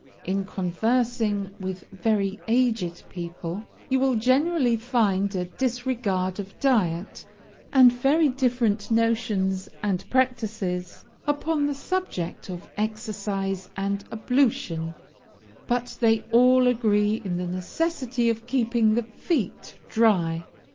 In conversing with very aged people, you will generally find a disregard of diet, and very different notions and practices upon the subject of exercise and ablution; but they all agree in the necessity of keeping the feet dry.